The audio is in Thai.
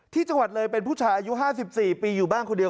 ที่จังหวัดเลยเป็นผู้ชายอายุ๕๔ปีอยู่บ้านคนเดียว